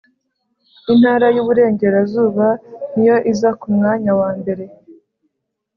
intara y’ Iburengerazuba niyo iza kumwanya wa mbere